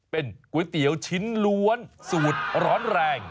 เป็นก๋วยเตี๋ยวชิ้นล้วนสูตรร้อนแรง